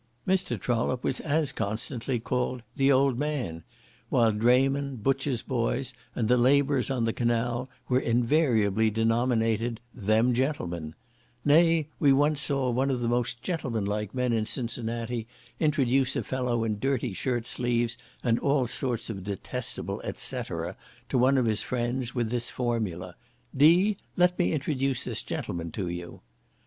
Mr. Trollope was as constantly called "the old man," while draymen, butchers' boys, and the labourers on the canal were invariably denominated "them gentlemen;" nay, we once saw one of the most gentlemanlike men in Cincinnati introduce a fellow in dirty shirt sleeves, and all sorts of detestable et cetera, to one of his friends, with this formula, "D— let me introduce this gentleman to you."